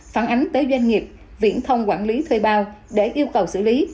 phản ánh tới doanh nghiệp viễn thông quản lý thuê bao để yêu cầu xử lý